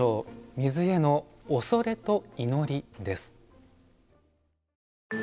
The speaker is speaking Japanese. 水への畏れと祈りです。